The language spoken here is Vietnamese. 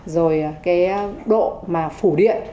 rồi cái độ mà phủ điện